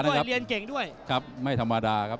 ด้วยเรียนเก่งด้วยครับไม่ธรรมดาครับ